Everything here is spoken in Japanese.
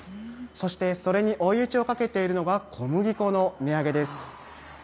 そして、それに追い打ちをかけているのが小麦粉の値上げです。